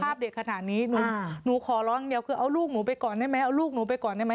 สภาพเด็กขนาดนี้อ่าหนูขอร้องเดียวคือเอาลูกหนูไปก่อนได้ไหม